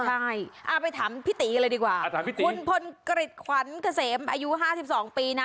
ใช่อ่าไปถามพี่ตีเลยดีกว่าอ่าถามพี่ตีคุณพลกริดขวัญเกษมอายุห้าสิบสองปีน่ะ